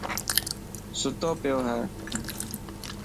ششو پيو هي.